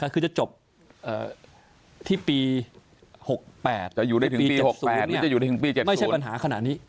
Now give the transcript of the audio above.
คือจะจบที่ปี๖๘จะอยู่ได้ถึงปี๗๐ไม่ใช่ปัญหาขนาดนี้